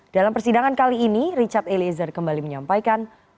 dalam persidangan kali ini richard eliezer kembali menyampaikan